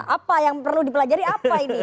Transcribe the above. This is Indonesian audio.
apa yang perlu dipelajari apa ini